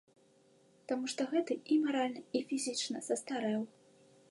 Таму што гэты і маральна, і фізічна састарэў.